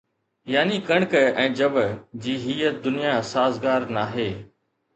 يعني ڪڻڪ ۽ جَوَ جي هيءَ دنيا سازگار ناهي